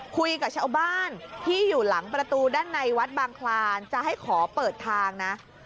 คุยกับชาวบ้านที่อยู่หลังประตูด้านในวัดบางคลานจะให้ขอเปิดทางนะ